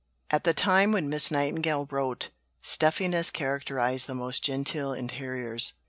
At the time when Miss Nightingale wrote, stuffiness characterized the most genteel interiors.